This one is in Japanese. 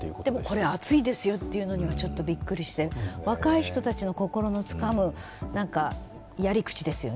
これアツいですよというのにはちょっとビックリして若い人たちの心をつかむやり口ですよね。